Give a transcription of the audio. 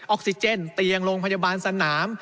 ออกซิเจนเตียงโรงพยาบาลสนาม